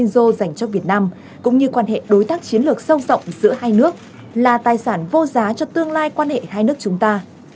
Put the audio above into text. do dành cho việt nam cũng như quan hệ đối tác chiến lược sâu rộng giữa hai nước là tài sản vô giá cho tương lai quan hệ hai nước chúng ta